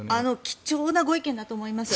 貴重なご意見だと思います。